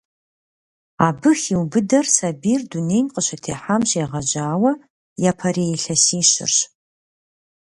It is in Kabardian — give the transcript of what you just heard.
Абы хиубыдэр сабийр дунейм къыщытехьам щегъэжьауэ япэрей илъэсищырщ.